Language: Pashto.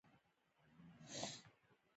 سیمینارونه د څه لپاره دي؟